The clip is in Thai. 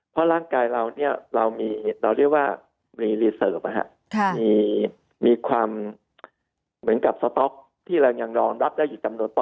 เพราะร่างกายเราเนี้ยเรามีเราเรียกว่ามีความเหมือนกับสต๊อกที่เรายังรองรับและอยู่จำนวนต่อ